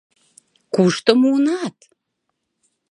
Кушто муынат?